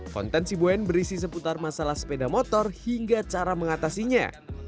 konten si boen berisi seputar masalah sepeda motor hingga cara mengatasinya